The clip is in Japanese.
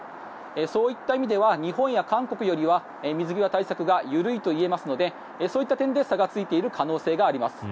そういった意味では日本や韓国よりは水際対策が緩いと言えますのでそういった点で差がついている可能性があります。